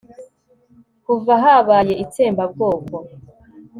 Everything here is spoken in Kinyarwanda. kuva habaye itsemba bwoko